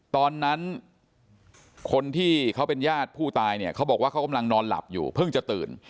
ตอนนั้นคนที่เขาเป็นญาติผู้ตายเนี่ยเขาบอกว่าเขากำลังนอนหลับอยู่เพิ่งจะตื่น